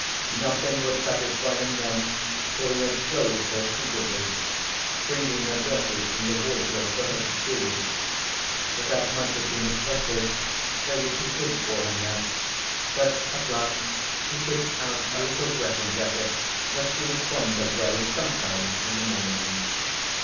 Nothing would satisfy him then till he had clothed her suitably, bringing her dresses from the wardrobe for her to choose. But as might have been expected, they were too big for her now, but at last he picked out a little dressing jacket that she was fond of wearing sometimes in the mornings.